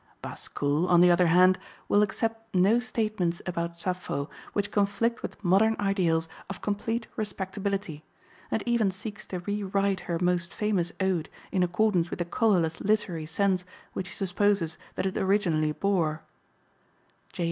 Bascoul, on the other hand, will accept no statements about Sappho which conflict with modern ideals of complete respectability, and even seeks to rewrite her most famous ode in accordance with the colorless literary sense which he supposes that it originally bore (J.